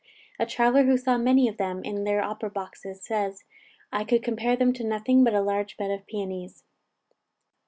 A traveller who saw many of them in their opera boxes, says, "I could compare them to nothing but a large bed of pionies."